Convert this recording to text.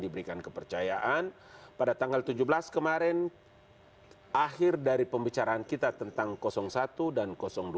diberikan kepercayaan pada tanggal tujuh belas kemarin akhir dari pembicaraan kita tentang satu dan dua